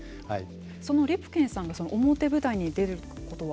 そのリプケンさんが表舞台に出ることは。